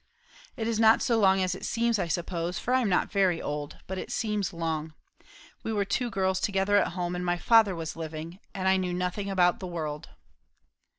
"It is not so long as it seems, I suppose, for I am not very old; but it seems long. We two were girls together at home, and my father was living; and I knew nothing about the world."